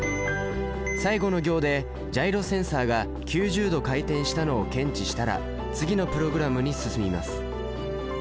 最後の行でジャイロセンサが９０度回転したのを検知したら次のプログラムに進みます。